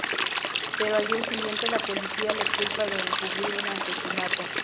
Pero al día siguiente la policía le culpa de encubrir un asesinato.